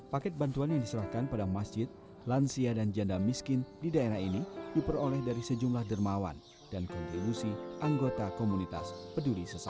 paket bantuan yang diserahkan pada masjid lansia dan janda miskin di daerah ini diperoleh dari sejumlah dermawan dan kontribusi anggota komunitas peduli sesama